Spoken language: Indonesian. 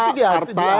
nanti diatur di dalam